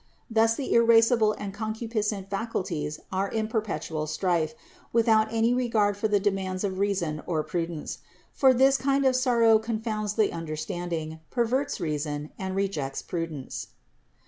Thus the irascible and concupiscent faculties are in perpetual strife, without any regard for the demands of reason or prudence; for this kind of sorrow confounds the understanding, perverts reason, and rejects prudence.